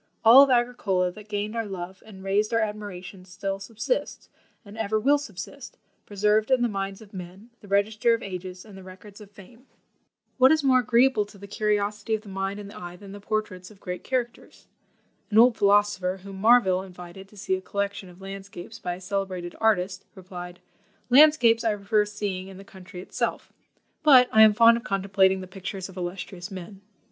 All of Agricola that gained our love and raised our admiration still subsists, and ever will subsist, preserved in the minds of men, the register of ages and the records of fame." What is more agreeable to the curiosity of the mind and the eye than the portraits of great characters? An old philosopher, whom Marville invited to see a collection of landscapes by a celebrated artist, replied, "Landscapes I prefer seeing in the country itself, but I am fond of contemplating the pictures of illustrious men."